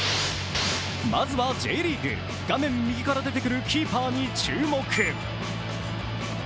まずはＪリーグ、画面右から出てくるキーパーに注目。